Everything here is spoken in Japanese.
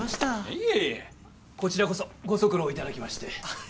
いえいえこちらこそご足労いただきましてあっ